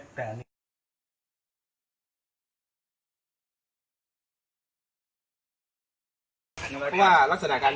กำลังกำลังกำลังกำลังกำลัง